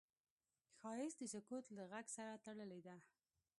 ښایست د سکوت له غږ سره تړلی دی